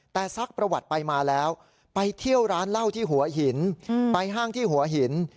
แต่ซักประวัติไปมาแล้วไปเที่ยวร้านเหล้าที่หัวหินไปห้างที่หัวหิน